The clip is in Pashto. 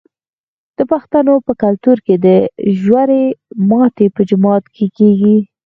د پښتنو په کلتور کې د روژې ماتی په جومات کې کیږي.